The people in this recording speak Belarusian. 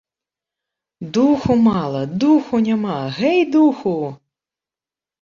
Духу мала, духу няма, гэй духу!